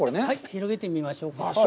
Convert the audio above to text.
広げてみましょうか。